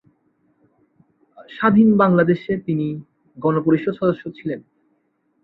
স্বাধীন বাংলাদেশে তিনি গণপরিষদ সদস্য ছিলেন।